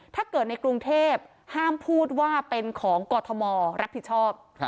ถ้าเกิดในกรุงเทพห้ามพูดว่าเป็นของกรทมรับผิดชอบ